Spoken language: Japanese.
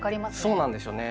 そうなんですよね。